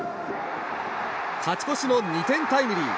勝ち越しの２点タイムリー。